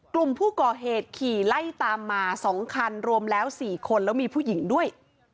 กลุ่มผู้ก่อเหตุขี่ไล่ตามมา๒คันรวมแล้ว๔คนแล้วมีผู้หญิงด้วย